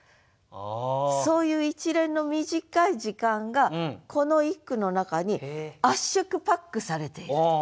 そういう一連の短い時間がこの一句の中に圧縮パックされていると。